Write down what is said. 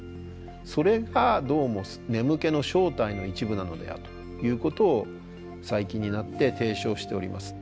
それがどうも眠気の正体の一部なのではということを最近になって提唱しております。